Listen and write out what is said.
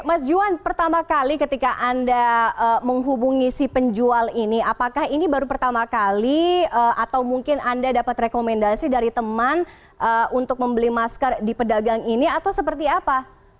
mas juwan pertama kali ketika anda menghubungi si penjual ini apakah ini baru pertama kali atau mungkin anda dapat rekomendasi dari teman untuk membeli masker di pedagang ini atau seperti apa